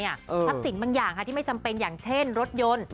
ทรัพย์สินบางอย่างที่ไม่จำเป็นอย่างเช่นรถยนต์